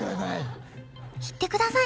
言ってください